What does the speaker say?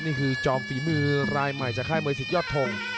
นี่คือจอมฝีมือรายใหม่จากค่ายมวยสิทธิยอดทง